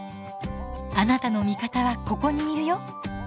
「あなたの味方はここにいるよ」。